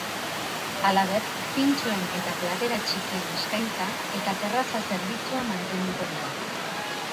Halaber, pintxoen eta platera txikien eskaintza eta terraza zerbitzua mantenduko dira.